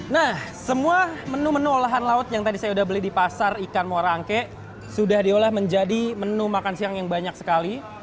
nah semua menu menu olahan laut yang tadi saya sudah beli di pasar ikan muara angke sudah diolah menjadi menu makan siang yang banyak sekali